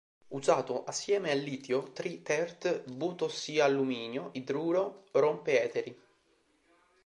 Usato assieme al litio tri-"tert"-butossialluminio idruro rompe eteri.